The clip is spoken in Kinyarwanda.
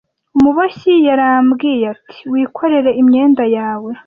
umuboshyi yarambwiye ati wikorere imyenda yawe